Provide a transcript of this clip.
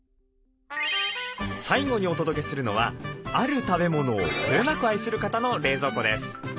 最後にお届けするのはある食べ物をこよなく愛する方の冷蔵庫です。